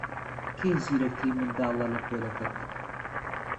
کێ زیرەکترین منداڵە لە پۆلەکەت؟